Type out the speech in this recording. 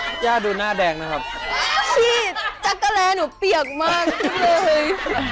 คุณย่าดูหน้าแดงนะครับพี่จักรแลหนูเปียกมากเลย